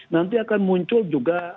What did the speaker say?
nanti akan muncul juga